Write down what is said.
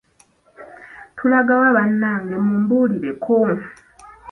Tulaga wa bannange mumbuulireko.